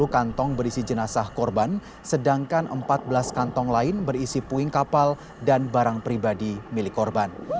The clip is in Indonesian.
dua puluh kantong berisi jenazah korban sedangkan empat belas kantong lain berisi puing kapal dan barang pribadi milik korban